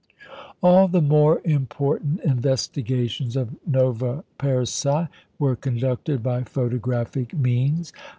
All the more important investigations of Nova Persei were conducted by photographic means.